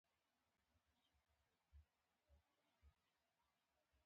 ورځ تر بلې خلک کرنې او څارنې باندې مشغول شول.